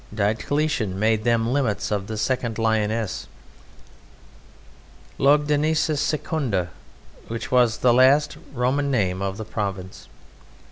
Diocletian made them the limits of the "Second Lyonesse," "Lugdunensis Secunda," which was the last Roman name of the province.